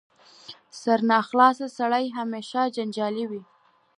سرناخلاصه سړی همېشه جنجالي وي.